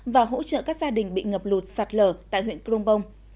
và hỗ trợ các gia đình bị ngập lụt sạt lở tại huyện crong bông